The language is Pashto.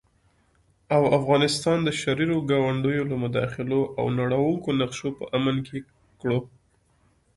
او افغانستان د شريرو ګاونډيو له مداخلو او نړوونکو نقشو په امن کې کړو